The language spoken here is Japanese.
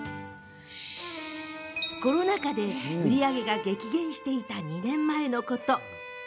コロナ禍で売り上げが激減していた２年前のこと。